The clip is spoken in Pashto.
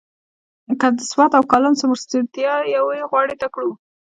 که د سوات او کالام سمسورتیا یوې غاړې ته کړو.